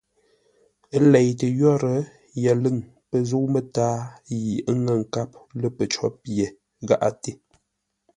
Ə́ leitə́ yórə́, yəlʉ̂ŋ pə̂ zə̂u mətǎa yi ə́ ŋə̂ nkâp lə́ pəcó pye gháʼate.